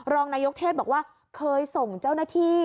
รองนายกเทศบอกว่าเคยส่งเจ้าหน้าที่